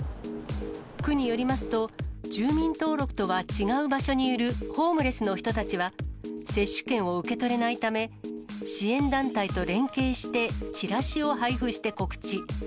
区によりますと、住民登録とは違う場所にいるホームレスの人たちは、接種券を受け取れないため、支援団体と連携して、チラシを配布して告知。